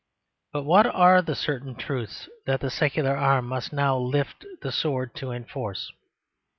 But what are the certain truths that the secular arm must now lift the sword to enforce?